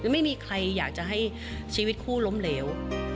ไม่มีใครอยากจะให้ชีวิตคู่ล้มเหลว